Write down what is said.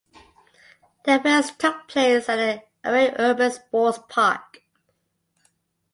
The events took place at the Ariake Urban Sports Park.